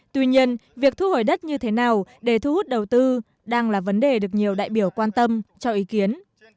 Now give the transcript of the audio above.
tuy nhiên việc thu hồi đất như thế nào để thu hút đầu tư đang là vấn đề được nhiều đại biểu quan tâm cho ý kiến